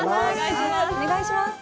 お願いします！